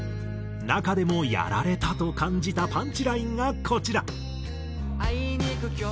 中でもやられたと感じたパンチラインがこちら。